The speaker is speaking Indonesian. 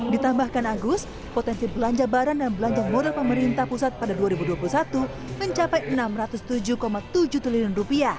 ditambahkan agus potensi belanja barang dan belanja modal pemerintah pusat pada dua ribu dua puluh satu mencapai rp enam ratus tujuh tujuh triliun